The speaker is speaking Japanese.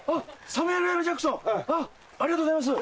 ありがとうございます。